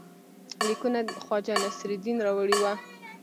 لیکونه خواجه نصیرالدین راوړي وه.